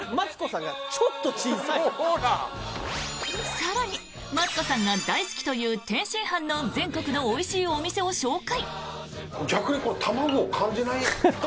更にマツコさんが大好きという天津飯の全国のおいしいお店を紹介。